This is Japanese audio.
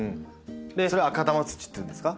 それ赤玉土っていうんですか？